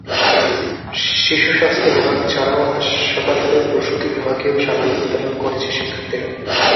শিশু স্বাস্থ্য বিভাগ ছাড়াও হাসপাতালের প্রসূতি বিভাগেও সাবান বিতরণ করেছে শিক্ষার্থীরা।